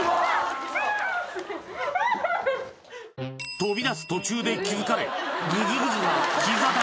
飛び出す途中で気づかれグズグズなうわ！